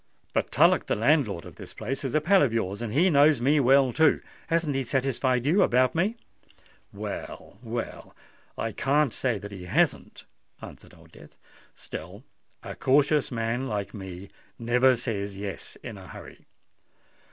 "But Tullock, the landlord of this place, is a pal of yours; and he knows me well too. Hasn't he satisfied you about me?" "Well—well, I can't say that he hasn't," answered Old Death. "Still a cautious man like me never says yes in a hurry.